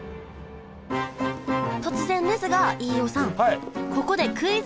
突然ですが飯尾さんここでクイズ！